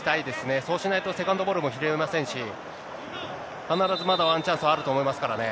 そうしないと、セカンドボールも拾えませんし、必ずまだ、ワンチャンスあると思いますからね。